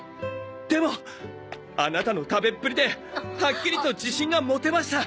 でもアナタの食べっぷりではっきりと自信が持てました！